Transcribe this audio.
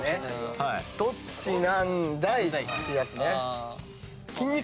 「どっちなんだい？」ってやつね。